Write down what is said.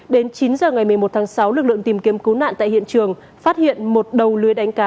đến chín giờ ngày một mươi một tháng sáu lực lượng tìm kiếm cứu nạn tại hiện trường phát hiện một đầu lưới đánh cá